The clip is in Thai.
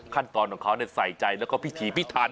ขั้นตอนของเขาใส่ใจแล้วก็พิธีพิธาน